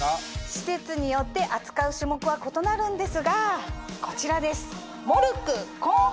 施設によって扱う種目は異なるんですがこちらです。